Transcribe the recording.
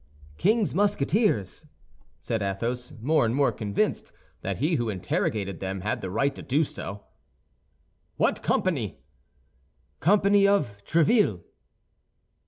"King's Musketeers," said Athos, more and more convinced that he who interrogated them had the right to do so. "What company?" "Company of Tréville."